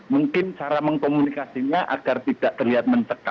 mungkin cara mengkomunikasinya agar tidak terlihat mencekam